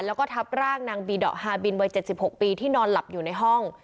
แล้วก็ทับร่างนางบีดอกฮาบินวัย๗๖ปีที่นอนหลับอยู่ในห้อง